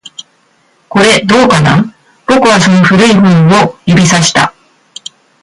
これ、どうかな？僕はその古い本を指差した